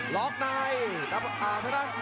ล็อกในอ่างเท่านั้น